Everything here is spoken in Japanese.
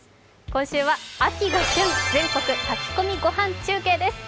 今週は「秋が旬！全国炊き込みご飯中継」です。